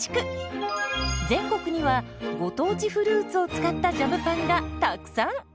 全国にはご当地フルーツを使ったジャムパンがたくさん！